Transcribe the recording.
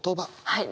はい。